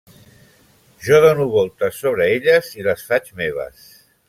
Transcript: Jo dono voltes sobre elles i les faig meves.